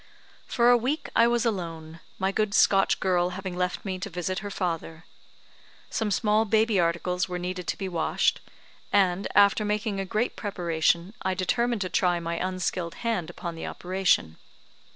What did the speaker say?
For a week I was alone, my good Scotch girl having left me to visit her father. Some small baby articles were needed to be washed, and after making a great preparation, I determined to try my unskilled hand upon the operation.